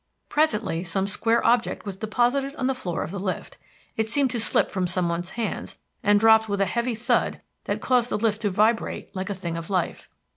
Presently some square object was deposited on the floor of the lift. It seemed to slip from someone's hands, and dropped with a heavy thud that caused the lift to vibrate like a thing of life."